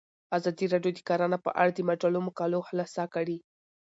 ازادي راډیو د کرهنه په اړه د مجلو مقالو خلاصه کړې.